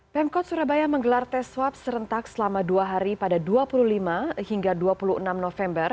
pemkot surabaya menggelar tes swab serentak selama dua hari pada dua puluh lima hingga dua puluh enam november